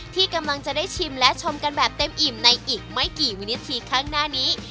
ที่กำลังจะได้ชิมและชมกันแบบเต็มอิ่มในอีกไม่กี่วินาทีข้างหน้านี้